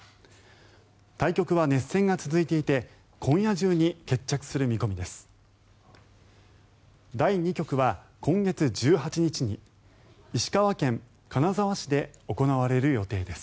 対局は熱戦が続いていて今夜中に決着する見込みです。